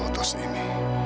gerakan tos ini